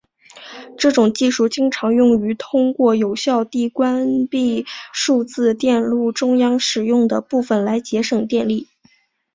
这种技术经常用于通过有效地关闭数字电路中未使用的部分来节省电力。